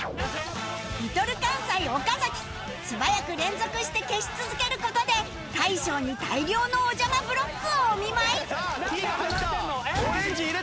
Ｌｉｌ かんさい岡素早く連続して消し続ける事で大昇に大量のおじゃまブロックをお見舞いさあ Ｔ が入った。